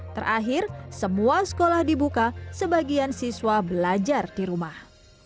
terakhir semua sekolah dibuka sebagian siswa belajar di rumah